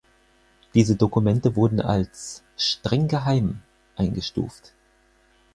Diese Dokumente wurden als "streng geheim" eingestuft.